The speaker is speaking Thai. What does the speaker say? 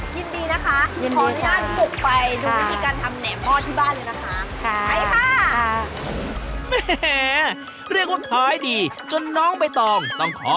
ยินดีนะคะขออนุญาตบุกไปดูวิธีการทำแหนมหม้อที่บ้านเลยนะคะ